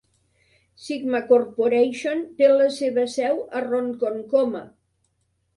Sigma Corporation té la seva seu a Ronkonkoma.